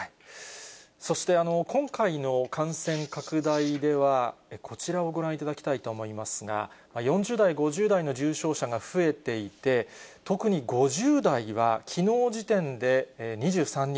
そして、今回の感染拡大では、こちらをご覧いただきたいと思いますが、４０代、５０代の重症者が増えていて、特に５０代はきのう時点で２３人。